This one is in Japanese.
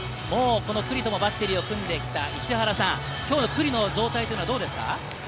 九里とバッテリーを組んできた石原さん、今日の状態はどうですか？